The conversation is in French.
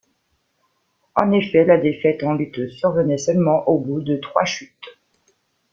En effet, la défaite en lutte survenait seulement au bout de trois chutes.